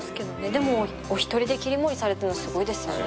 でもお一人で切り盛りされてるのすごいですよね。